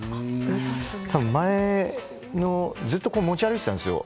たぶん前のずっと持ち歩いていたんですよ